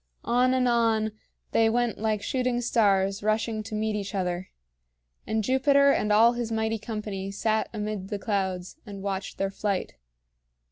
On and on they went like shooting stars rushing to meet each other; and Jupiter and all his mighty company sat amid the clouds and watched their flight.